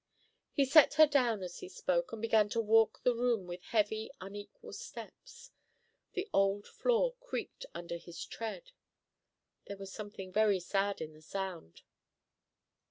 He set her down as he spoke, and began to walk the room with heavy, unequal steps. The old floor creaked under his tread. There was something very sad in the sound.